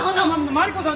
マリコさん